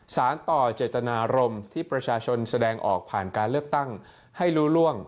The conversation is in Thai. สารต่อเจตนารมณ์ที่ประชาชนแสดงออกผ่านการเลือกตั้งให้รู้ล่วง